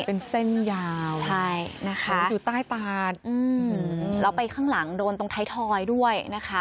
เป็นเส้นยาวใช่นะคะอยู่ใต้ตาอืมแล้วไปข้างหลังโดนตรงไทยทอยด้วยนะคะ